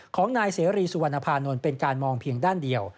ของนายเสรีสุวรรณภานนท์เป็นการมองเพียงด้านเดียว